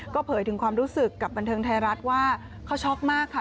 เผยถึงความรู้สึกกับบันเทิงไทยรัฐว่าเขาช็อกมากค่ะ